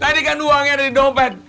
tadi kan uangnya ada di dompet